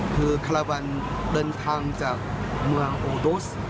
คือคาราวันเดินทางจากเมืองอูดุส